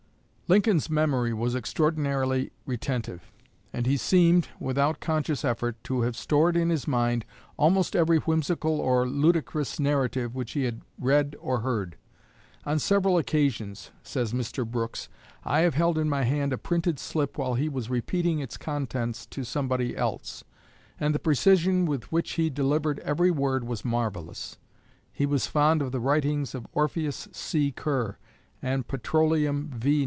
Lincoln's memory was extraordinarily retentive, and he seemed, without conscious effort, to have stored in his mind almost every whimsical or ludicrous narrative which he had read or heard. "On several occasions," says Mr. Brooks, "I have held in my hand a printed slip while he was repeating its contents to somebody else, and the precision with which he delivered every word was marvellous." He was fond of the writings of "Orpheus C. Kerr" and "Petroleum V.